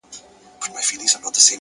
عاجزي د اړیکو ښکلا ده،